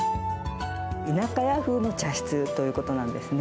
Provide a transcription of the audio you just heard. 田舎家風の茶室ということなんですね。